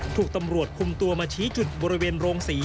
ถูกตำรวจคุมตัวมาชี้จุดบริเวณโรงศรี